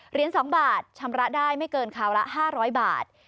เหรียญ๒บาทชำระได้ไม่เกินคราวละ๕๐๐บาท